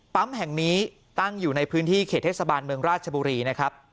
แห่งนี้ตั้งอยู่ในพื้นที่เขตเทศบาลเมืองราชบุรีนะครับ